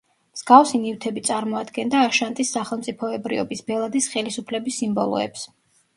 მსგავსი ნივთები წარმოადგენდა აშანტის სახელმწიფოებრიობის, ბელადის ხელისუფლების სიმბოლოებს.